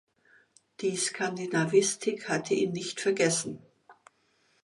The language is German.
Die Skandinavistik hatte ihn nicht vergessen.